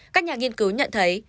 các nhà nghiên cứu nhận thấy